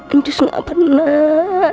ancus gak pernah